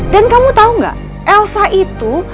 dan kamu tahu nggak elsa itu